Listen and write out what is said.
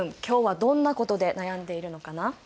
今日はどんなことで悩んでいるのかな？